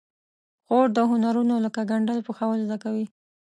خور د هنرونو لکه ګنډل، پخول زده کوي.